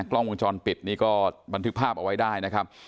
กล้องวงจรปิดนี่ก็บันทึกภาพเอาไว้ได้นะครับ